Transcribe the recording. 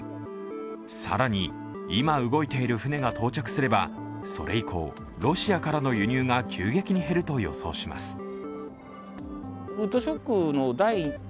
更に、今動いている船が到着すればそれ以降、ロシアからの輸入が急激に減ると予想します。